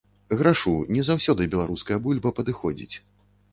Грашу, не заўсёды беларуская бульба падыходзіць.